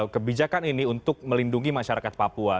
kebijakan ini untuk melindungi masyarakat papua